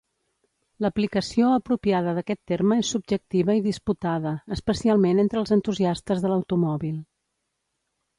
L'aplicació apropiada d'aquest terme és subjectiva i disputada, especialment entre els entusiastes de l'automòbil.